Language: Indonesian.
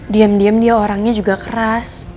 diam diam dia orangnya juga keras